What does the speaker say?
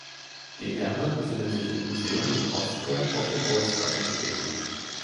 Die Herme befindet sich im Museum in Ostia auf dem Ausgrabungsgelände.